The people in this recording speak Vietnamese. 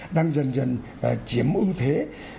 đang dần dần chiếm ưu thế